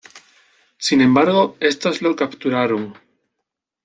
Sin embargo, estos lo capturaron.